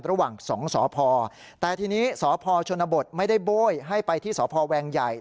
ระหว่างสองสพแต่ทีนี้สพชนบทไม่ได้โบ้ยให้ไปที่สพแวงใหญ่